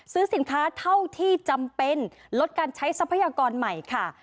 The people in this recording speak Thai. ซื้อสินค้าเท่าที่จำเป็นลดการใช้ทรัพยากรใหม่ค่ะ